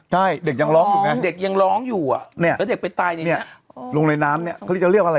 ใช่เด็กยังร้อนอยู่นะท้องร้อนเด็กยังร้อนอยู่อ่ะ